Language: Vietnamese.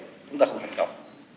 chúng ta không thành công